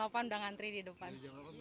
dari jam delapan sudah ngantri di depan